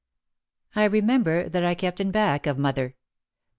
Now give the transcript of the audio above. I remember that I kept in back of mother.